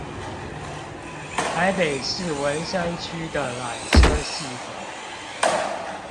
台北市文山區的纜車系統